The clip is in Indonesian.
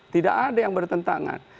tidak ada yang bertentangan